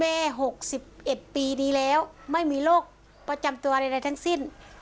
๖๑ปีดีแล้วไม่มีโรคประจำตัวใดทั้งสิ้น